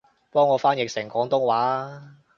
幫我翻譯成廣東話吖